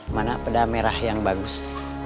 mana peda merah yang bagus